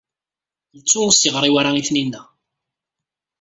Yettu ur as-yeɣri ara i Taninna.